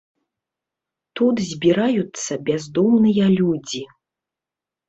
Тут збіраюцца бяздомныя людзі.